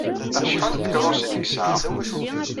Acḥal n tkeṛṛusin ay yesɛa?